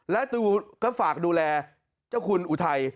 แล้วก็ฝากดูแลเจ้าคุณอุทัย